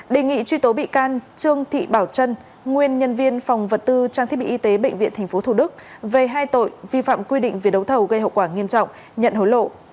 đề nghị truy tố bị can trương thị bảo trân nguyên nhân viên phòng vật tư trang thiết bị y tế bệnh viện tp thủ đức về hai tội vi phạm quy định về đấu thầu gây hậu quả nghiêm trọng nhận hối lộ